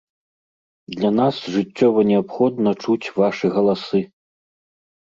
Для нас жыццёва неабходна чуць вашы галасы!